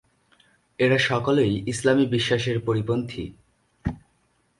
এরা সকলেই ইসলামী বিশ্বাসের পরিপন্থী।